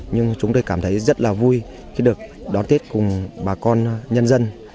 nhưng chúng tôi cảm thấy rất là vui khi được đón tết cùng bà con nhân dân